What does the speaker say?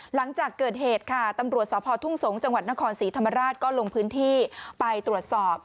หลังจากเกิดเหตุค่ะตำรวจสพทุ่งสงศ์จังหวัดนครศรีธรรมราชก็ลงพื้นที่ไปตรวจสอบ